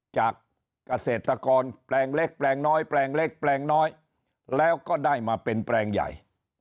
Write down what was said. จากเกษตรกรแปลงเล็กแปลงน้อยแปลงเล็กแปลงน้อยแล้วก็ได้มาเป็นแปลงใหญ่